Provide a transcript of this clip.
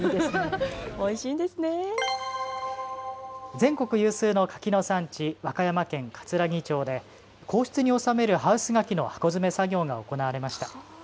全国有数の柿の産地、和歌山県かつらぎ町で皇室に納めるハウス柿の箱詰め作業が行われました。